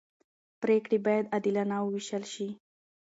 پرېکړې باید عادلانه وېشل شي